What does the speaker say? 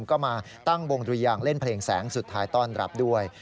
ก็มาตั้งวงดุยางเล่นเพลงแสงสุดท้ายต้อนรับด้วย